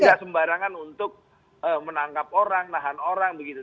tidak sembarangan untuk menangkap orang nahan orang begitu